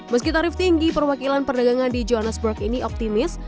meski tarif tinggi perwakilan perdagangan di johannesburg ini optimis